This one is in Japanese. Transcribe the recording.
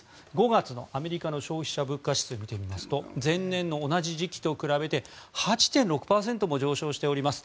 ５月のアメリカの消費者物価指数を見てみますと前年の同じ時期と比べて８．６％も上昇しております。